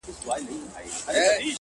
گراني شاعري دغه واوره ته”